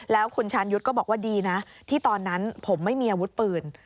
แล้วคุณชาญยุทธ์ก็บอกว่าดีนะที่ตอนนั้นผมไม่มีอาวุธปืน